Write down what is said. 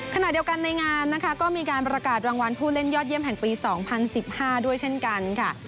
ขณะเดียวกันในงานนะคะก็มีการประกาศรางวัลผู้เล่นยอดเยี่ยมแห่งปี๒๐๑๕ด้วยเช่นกันค่ะ